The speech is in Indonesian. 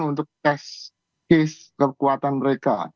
untuk tes kekuatan mereka